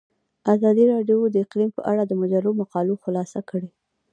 ازادي راډیو د اقلیم په اړه د مجلو مقالو خلاصه کړې.